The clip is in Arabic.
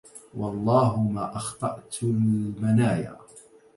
والله ما أخطت المنايا